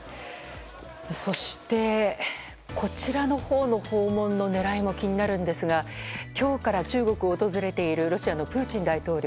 そして、こちらの訪問の狙いも気になるんですが今日から中国を訪れているロシアのプーチン大統領。